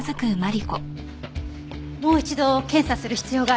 もう一度検査する必要があります。